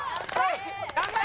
頑張れ！